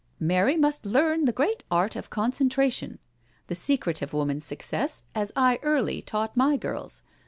" Mary must learn the great art of concentration — the secret of woman's success, as I early taught my girls.